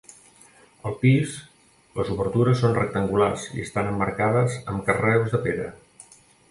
Al pis, les obertures són rectangulars i estan emmarcades amb carreus de pedra.